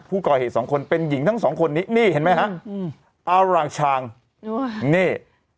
ผู้ก่อเหตุสองคนเป็นหญิงทั้งสองคนนี้นี่เห็นไหมฮะอืมอารางชางนี่